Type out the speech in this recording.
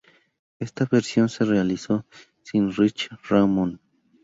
Esta versión se realizó sin Richie Ramone.